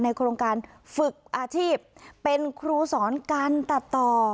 โครงการฝึกอาชีพเป็นครูสอนการตัดต่อ